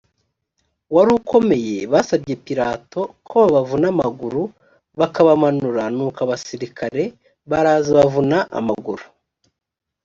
wari ukomeye basabye pilato ko babavuna amaguru bakabamanura nuko abasirikare baraza bavuna amaguru